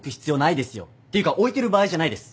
ていうか置いてる場合じゃないです。